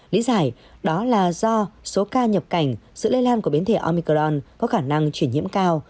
lý giải đó là do số ca nhập cảnh sự lây lan của biến thể omicron có khả năng chuyển nhiễm cao